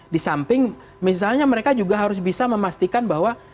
di samping misalnya mereka juga harus bisa memastikan bahwa